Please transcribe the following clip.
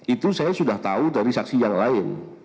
itu saya sudah tahu dari saksi yang lain